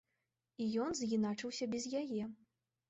І ён з'іначыўся без яе.